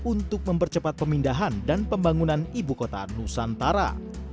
untuk mempercepat pemindahan dan pembangunan ibu kota nusantara